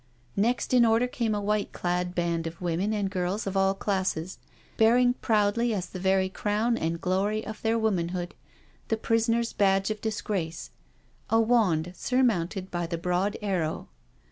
Next in order came a white clad band of women and girls of all classes, bearing proudly as the very crown and glory of their womanhood, the prisoner's badge of disgrace, a wand surmounted by the broad arrow.